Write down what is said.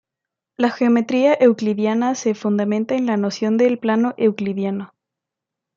La geometría euclidiana se fundamenta en la noción de "plano euclidiano".